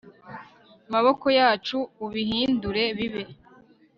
maboko yacu, ubihindure bibe